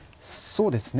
そうですね。